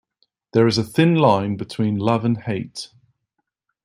There is a thin line between love and hate.